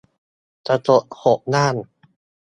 กระจกหกด้าน